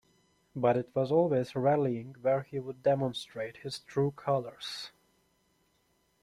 But it was always rallying where he would demonstrate his true colours.